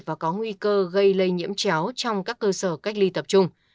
và có nguy cơ gây lây nhiễm chéo trong các cơ sở cách ly tập trung